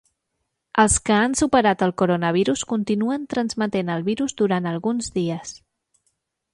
Els que han superat el coronavirus continuen transmetent el virus durant alguns dies